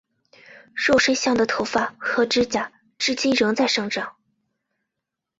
肉身像的头发和指甲至今仍在生长。